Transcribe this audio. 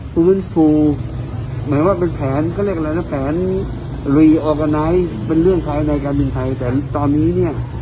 หมายว่าเป็นแผนก็เรียกอะไรนะแผนเป็นเรื่องท้ายในการบินไทยแต่ตอนนี้เนี้ย